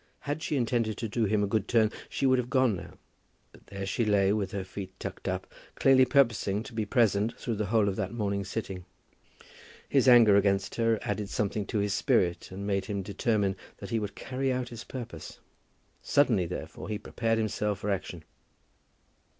Had she intended to do him a good turn, she would have gone now; but there she lay, with her feet tucked up, clearly purposing to be present through the whole of that morning's sitting. His anger against her added something to his spirit, and made him determine that he would carry out his purpose. Suddenly, therefore, he prepared himself for action.